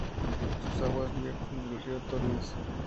Sus aguas vierten al río Tormes.